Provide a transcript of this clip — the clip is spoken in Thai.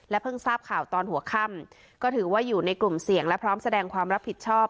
เพิ่งทราบข่าวตอนหัวค่ำก็ถือว่าอยู่ในกลุ่มเสี่ยงและพร้อมแสดงความรับผิดชอบ